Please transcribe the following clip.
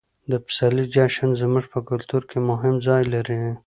د پسرلي جشن زموږ په کلتور کې مهم ځای لري.